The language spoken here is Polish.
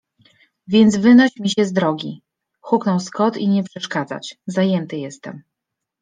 Więc wynoś mi się z drogi! - huknął Scott i nie przeszkadzać. Zajęty jestem.